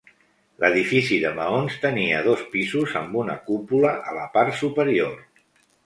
L'edifici de maons tenia dos pisos amb una cúpula a la part superior.